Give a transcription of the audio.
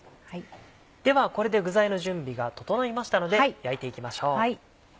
ではこれで具材の準備が整いましたので焼いていきましょう。